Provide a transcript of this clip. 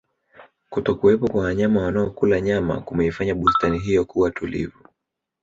kutokuwepo kwa wanyama wanaokula nyama kumeifanya bustani hiyo kuwa tulivu